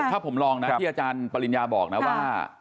ถ้าผมลองนะที่อาจารย์ปริญญาบอกนะว่า